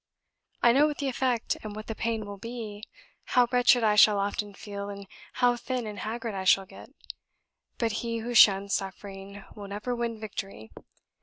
"I know what the effect and what the pain will be, how wretched I shall often feel, and how thin and haggard I shall get; but he who shuns suffering will never win victory.